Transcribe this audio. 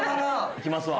行きますわ。